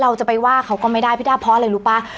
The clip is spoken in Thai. เราจะไปว่าเขาก็ไม่ได้พี่ด้าเพราะอะไรรู้ป่ะ